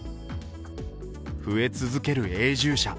増え続ける永住者。